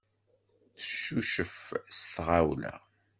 Neccucef s tɣawla.